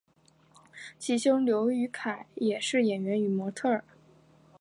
其兄刘雨凯也是演员与模特儿。